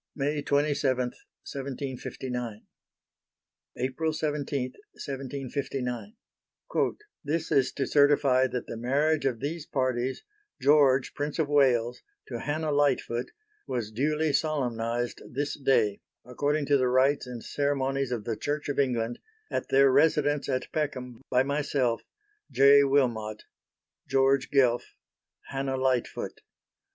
May 27, 1759. April 17, 1759 "This is to Certify that the marriage of these parties (George, Prince of Wales, to Hannah Lightfoot) was duly solemnized this day, according to the rites and ceremonies of the Church of England, at their residence at Peckham, by myself. "J. Wilmot." "George Guelph." "Hannah Lightfoot."